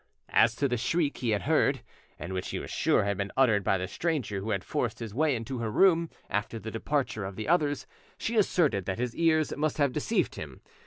As to the shriek he had heard, and which he was sure had been uttered by the stranger who had forced his way into her room after the departure of the others, she asserted that his ears must have deceived him.